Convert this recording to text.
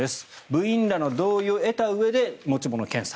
部員らの同意を得たうえで持ち物検査。